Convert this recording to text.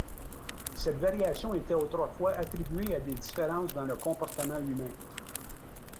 Cette variation était autrefois attribué à des différences dans le comportement humain.